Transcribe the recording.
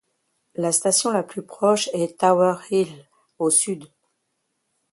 La station la plus proche est Tower Hill, au sud.